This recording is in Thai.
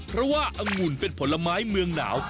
เพราะว่าอังุ่นเป็นผลไม้เมืองหนาว